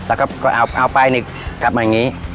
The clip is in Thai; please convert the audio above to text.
แล้วก็เอาไปนี่กลับมาอย่างนี้